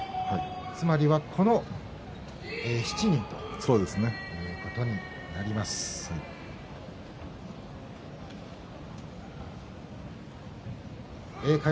つまりは、この７人ということですか。